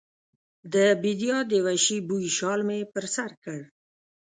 د بیدیا د وحشي بوی شال مې پر سر کړ